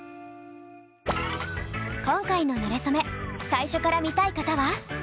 今回のなれそめ最初から見たい方は。